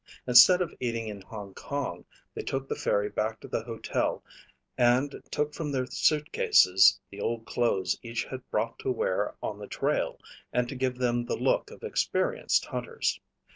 Instead of eating in Hong Kong, they took the ferry back to the hotel and took from their suitcases the old clothes each had brought to wear on the trail, and to give them the look of experienced hunters.